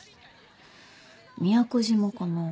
宮古島かな。